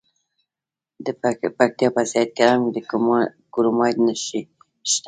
د پکتیا په سید کرم کې د کرومایټ نښې شته.